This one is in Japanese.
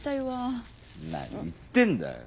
何言ってんだよ。